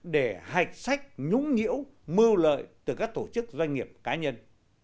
để hạch sách nhũng nhiễu mưu lợi từ các tổ chức doanh nghiệp cá nhân